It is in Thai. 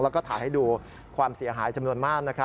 แล้วก็ถ่ายให้ดูความเสียหายจำนวนมาก